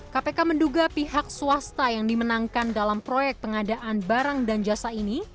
kpk menduga pihak swasta yang dimenangkan dalam proyek pengadaan barang dan jasa ini